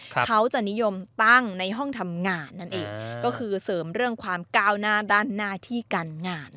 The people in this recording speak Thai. เขาจะนิยมตั้งในห้องทำงานนั่นเองก็คือเสริมเรื่องความก้าวหน้าด้านหน้าที่การงาน